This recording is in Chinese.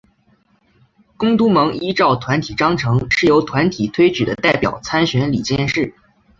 公督盟依照团体章程是由团体推举的代表参选理监事。